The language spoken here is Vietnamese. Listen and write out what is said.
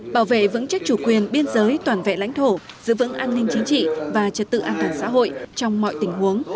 bảo vệ vững chắc chủ quyền biên giới toàn vẹn lãnh thổ giữ vững an ninh chính trị và trật tự an toàn xã hội trong mọi tình huống